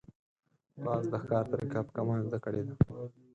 باز د ښکار طریقه په کمال زده کړې ده